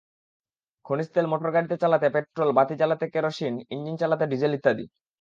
খনিজ তেল মোটরগাড়ি চালাতে পেট্রল, বাতি জ্বালাতে কেরোসিন, ইঞ্জিন চালাতে ডিজেল ইত্যাদি।